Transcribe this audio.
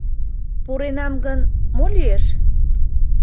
Пуренам гын... мо лиеш?